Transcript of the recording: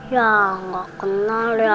ya gak kenal ya